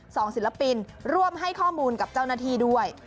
ศิลปินร่วมให้ข้อมูลกับเจ้าหน้าที่ด้วย